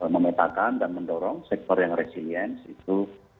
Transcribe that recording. memetakan dan mendorong sektor yang resilience itu